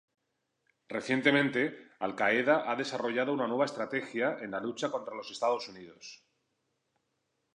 Recientemente, al-Qaeda ha desarrollado una nueva estrategia en la lucha contra los Estados Unidos.